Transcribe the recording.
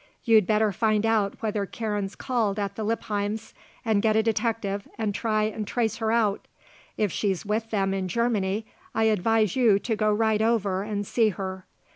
You'd better find out whether Karen's called at the Lippheims' and get a detective and try and trace her out. If she's with them in Germany I advise you to go right over and see her.